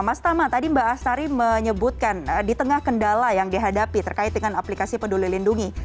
mas tama tadi mbak astari menyebutkan di tengah kendala yang dihadapi terkait dengan aplikasi peduli lindungi